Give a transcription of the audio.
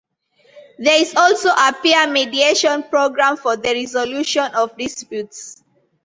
There is also a Peer Mediation Programme for the resolution of disputes.